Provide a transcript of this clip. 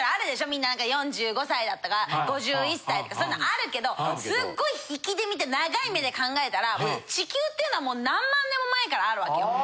みんな４５歳だとか５１歳とかそういうのあるけどすっごい引きで見て長い目で考えたら地球っていうのは何万年も前からあるわけよ。